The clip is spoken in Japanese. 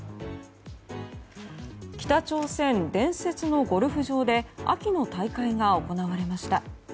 北朝鮮伝説のゴルフ場で秋の大会が行われました。